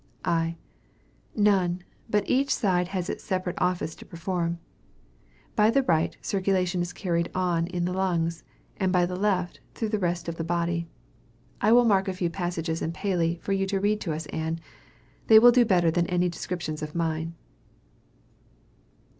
I. None; but each side has its separate office to perform. By the right, circulation is carried on in the lungs; and by the left through the rest of the body. I will mark a few passages in Paley, for you to read to us, Ann. They will do better than any descriptions of mine.